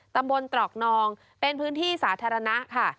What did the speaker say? ตรอกนองเป็นพื้นที่สาธารณะค่ะ